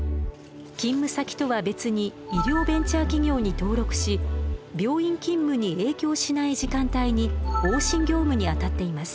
勤務先とは別に医療ベンチャー企業に登録し病院勤務に影響しない時間帯に往診業務にあたっています。